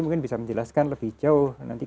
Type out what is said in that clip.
mungkin bisa menjelaskan lebih jauh nanti